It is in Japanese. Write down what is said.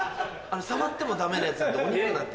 触ってもダメなやつなんでお肉なんて。